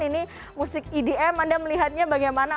ini musik edm anda melihatnya bagaimana